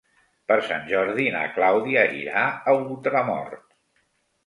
Per Sant Jordi na Clàudia irà a Ultramort.